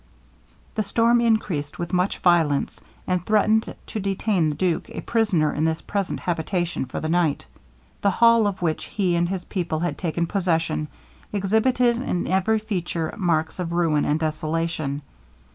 The storm increased with much violence, and threatened to detain the duke a prisoner in his present habitation for the night. The hall, of which he and his people had taken possession, exhibited in every feature marks of ruin and desolation.